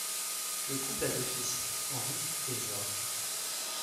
Le couple a deux fils, Henri et Georges.